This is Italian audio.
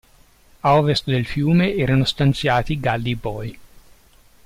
A ovest del fiume erano stanziati i Galli Boi.